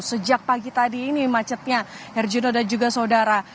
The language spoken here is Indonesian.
sejak pagi tadi ini macetnya hergino dan juga saudara